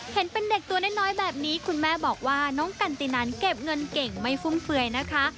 เห็นเป็นเด็กตัวน้อยแบบนี้คุณแม่บอกว่าน้องกันตินันเก็บเงินเก่งไม่ฟุ่มเฟือยนะคะ